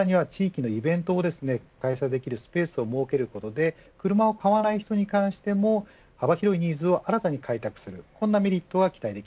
さらに地域のイベントを会社でスペースを設けることで車を買わない人にとっても幅広いニーズを新たに開拓する。